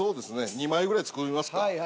２枚ぐらい作りますか。